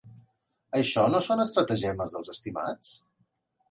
Això no són estratagemes dels estimats?